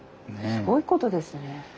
すごいことですね。